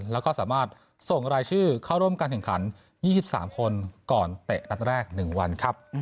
แล้วก็สามารถส่งรายชื่อเข้าร่วมการแข่งขัน๒๓คนก่อนเตะนัดแรก๑วันครับ